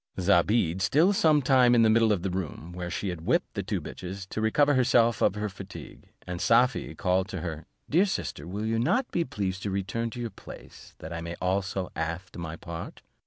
Zobeide sat still some time in the middle of the room, where she had whipped the two bitches, to recover herself of her fatigue; and Safie called to her, "Dear sister, will you not be pleased to return to your place, that I may also aft my part?"